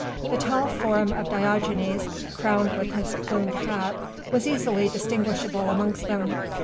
The tall form of Diogenes, crowned with his plumed hat, was easily distinguishable amongst them.